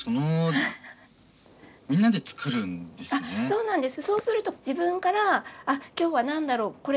そうなんです。